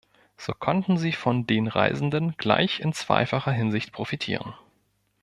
So konnten sie von den Reisenden gleich in zweifacher Hinsicht profitieren.